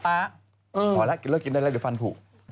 พอแล้วเลิกกินได้ละเรือฟันถูก